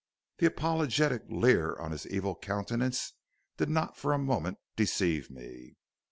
The apologetic leer on his evil countenance did not for a moment deceive me.